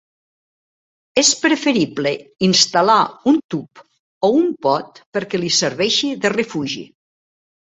És preferible instal·lar un tub o un pot perquè li serveixi de refugi.